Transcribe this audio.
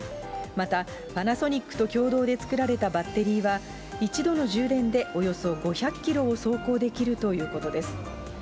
また、パナソニックと共同で作られたバッテリーは、一度の充電でおよそ５００キロを走行できるということです。